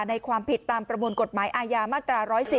ความผิดตามประมวลกฎหมายอาญามาตรา๑๑๐